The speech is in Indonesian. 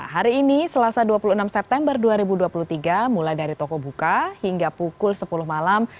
hari ini selasa dua puluh enam september dua ribu dua puluh tiga mulai dari toko buka hingga pukul sepuluh malam